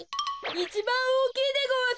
いちばんおおきいでごわす！